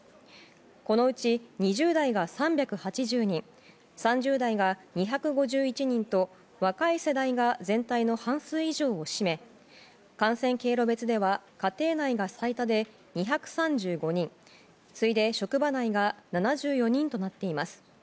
このうち２０代が３８０人３０代が２５１人と若い世代が全体の半数以上を占め感染経路別では家庭内が最多で２３５人次いで職場内が７４人となっています。